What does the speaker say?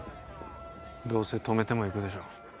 どうせ止めても行くでしょう